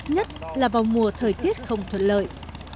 nhất là vào mùa thời tiết không thuận lợi